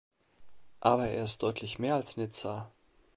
Aber er ist deutlich mehr als Nizza!